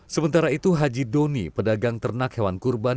sementara itu haji doni pedagang ternak hewan kurban